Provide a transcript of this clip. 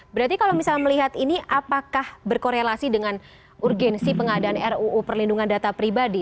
berarti kalau misalnya melihat ini apakah berkorelasi dengan urgensi pengadaan ruu perlindungan data pribadi